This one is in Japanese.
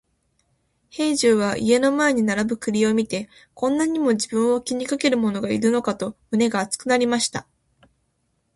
兵十は家の前に並ぶ栗を見て、こんなにも自分を気にかける者がいるのかと胸が熱くなりました。